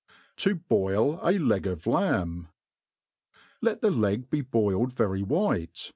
To hoil a Leg of Lamb* LET the leg be boiled very white.